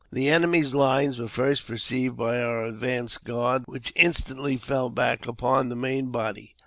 The enemy's lines were first perceived by our advanced guard, which instantly fell back upon the main body.